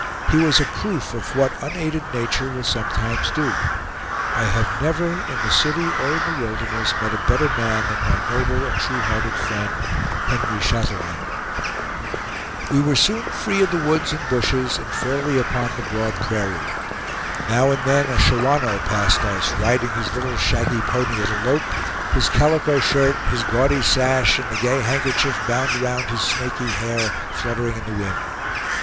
He was a proof of what unaided nature will sometimes do. I have never, in the city or in the wilderness, met a better man than my noble and true hearted friend, Henry Chatillon. We were soon free of the woods and bushes, and fairly upon the broad prairie. Now and then a Shawanoe passed us, riding his little shaggy pony at a "lope"; his calico shirt, his gaudy sash, and the gay handkerchief bound around his snaky hair fluttering in the wind.